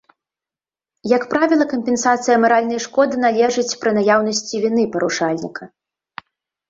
Як правіла, кампенсацыя маральнай шкоды належыць пры наяўнасці віны парушальніка.